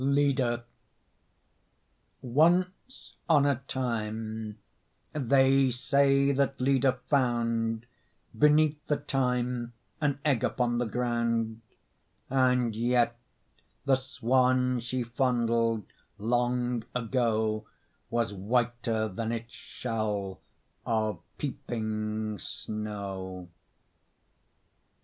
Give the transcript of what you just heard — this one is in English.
LEDA Once on a time They say that Leda found Beneath the thyme An egg upon the ground; And yet the swan She fondled long ago Was whiter than Its shell of peeping snow.